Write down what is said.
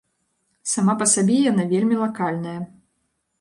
Сама па сабе яна вельмі лакальная.